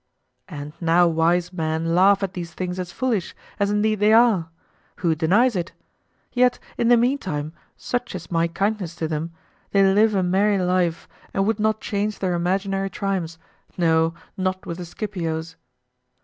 And now wise men laugh at these things as foolish, as indeed they are. Who denies it? Yet in the meantime, such is my kindness to them, they live a merry life and would not change their imaginary triumphs, no, not with the Scipioes.